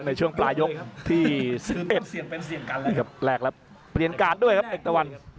ในช่วงปลายกที่สุดแรกแล้วบินการด้วยครับเอ็กตะวัน